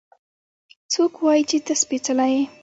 څوک وايي چې ته سپېڅلې يې؟